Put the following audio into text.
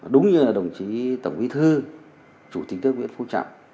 đúng như là đồng chí tổng vĩ thư chủ tịch tướng nguyễn phú trọng